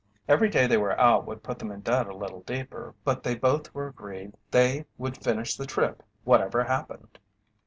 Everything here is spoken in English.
Every day they were out would put them in debt a little deeper, but they both were agreed they would finish the trip whatever happened.